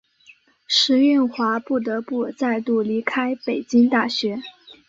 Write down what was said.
石蕴华不得不再度离开北京大学。